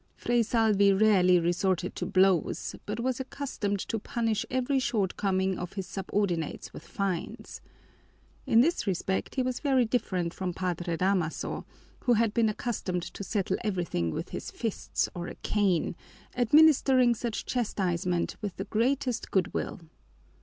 Fray Salvi rarely resorted to blows, but was accustomed to punish every shortcoming of his subordinates with fines. In this respect he was very different from Padre Damaso, who had been accustomed to settle everything with his fists or a cane, administering such chastisement with the greatest good will.